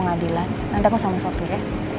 nanti aku sama sopi ya